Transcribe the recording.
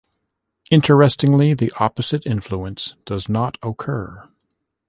Interestingly the opposite influence does not occur.